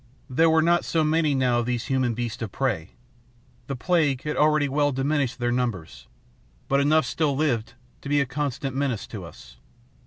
There were not so many now of these human beasts of prey. The plague had already well diminished their numbers, but enough still lived to be a constant menace to us.